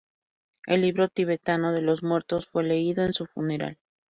El "Libro Tibetano de los Muertos" fue leído en su funeral.